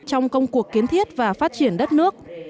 trong công cuộc kiến thiết và phát triển đất nước